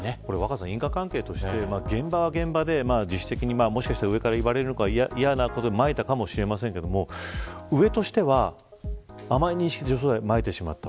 因果関係として、現場現場で上から言われるのが嫌ということでまいたかもしれませんが上としては甘い認識で除草剤をまいてしまった。